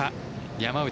山内。